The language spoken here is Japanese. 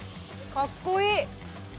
かっこいい！